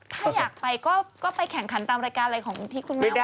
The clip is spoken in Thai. ถ้าอยากไปก็ไปแข่งขันตามรายการอะไรของที่คุณแม่